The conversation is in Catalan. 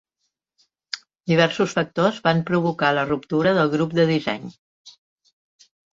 Diversos factors van provocar la ruptura del grup de disseny.